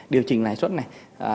điều chỉnh lãi suất này